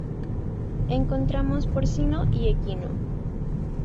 Encontramos porcino y equino.